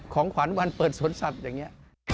ของขวัญวันเปิดสวนสัตว์อย่างนี้